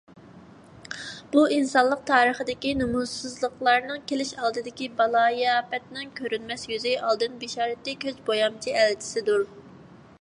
بۇ ئىنسانلىق تارىخىدىكى نۇمۇسسىزلىقلارنىڭ، كېلىش ئالدىدىكى بالايىئاپەتنىڭ كۆرۈنمەس يۈزى، ئالدىن بېشارىتى، كۆز بويامچى ئەلچىسىدۇر.